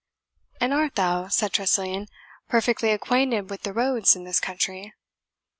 "And art thou," said Tressilian, "perfectly acquainted with the roads in this country?"